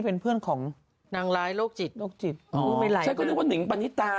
เป็นเพื่อนของนางร้ายโรคจิตโรคจิตฉันก็นึกว่าหิงปณิตา